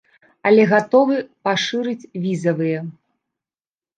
Але гатовы пашырыць візавыя.